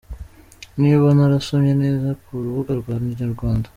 Niba narasomye neza kurubuga rwa inyarwanda.